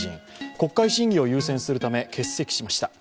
国会審議を優先するため欠席しました。